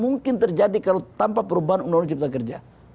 nah insya allah yang insya allah akan mencapai target